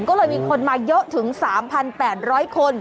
ก็เลยมีคนมาเยอะถึง๓๘๐๐คน